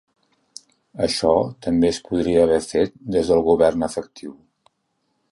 Això també es podria haver fet des del govern efectiu.